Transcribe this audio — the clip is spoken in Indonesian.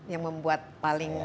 yang membuat paling happy